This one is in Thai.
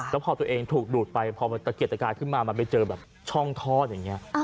แล้วพอตัวเองถูกดูดไปพอมันตะเกียดตะกายขึ้นมามันไปเจอแบบช่องทอดอย่างนี้